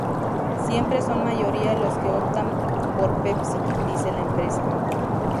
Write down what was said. Siempre son mayoría los que optan por Pepsi, dice la empresa.